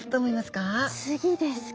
次ですか。